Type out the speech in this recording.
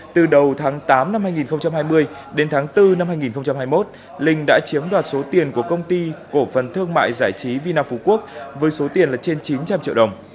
từ đầu tháng tám năm hai nghìn hai mươi đến tháng bốn năm hai nghìn hai mươi một linh đã chiếm đoạt số tiền của công ty cổ phần thương mại giải trí vinap phú quốc với số tiền là trên chín trăm linh triệu đồng